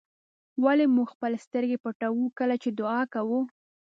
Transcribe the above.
ولې موږ خپلې سترګې پټوو کله چې دعا کوو.